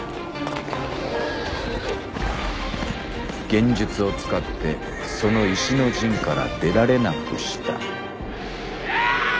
幻術を使ってその石の陣から出られなくした。